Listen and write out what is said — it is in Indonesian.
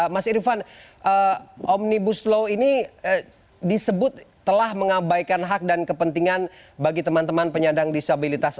mas irvan omnibus law ini disebut telah mengabaikan hak dan kepentingan bagi teman teman penyandang disabilitas